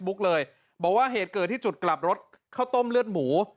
เลยบอกว่าเหตุเกิดที่จุดกลับรถข้าวต้มเลือดหมู